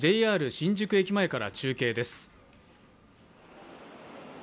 新宿駅前から中継です。